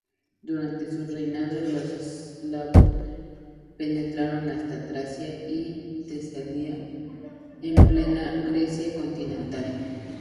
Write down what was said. Durante su reinado los eslavos penetraron hasta Tracia y Tesalia en plena Grecia continental.